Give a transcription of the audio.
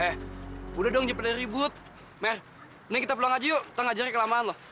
eh udah dong cepet dari ribut mer ini kita pulang aja yuk kita ngajarin kelamaan loh